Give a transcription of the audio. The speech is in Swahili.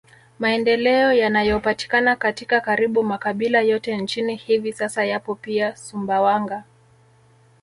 Maendeleo yanayopatikana katika karibu makabila yote nchini hivi sasa yapo pia Sumbawanga